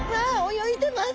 泳いでます！